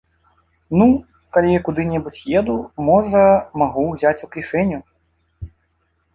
Ну, калі я куды-небудзь еду, можа, магу ўзяць у кішэню.